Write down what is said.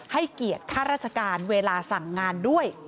ให้เกียรติข้าราชการเวลาสั่งงานด้วย